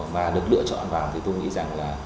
mà được lựa chọn vào thì tôi nghĩ rằng là